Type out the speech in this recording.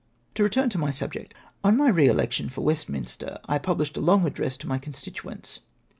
To return to my subject. On my re election for Westminster, I pubhslied a long address to my con stituents.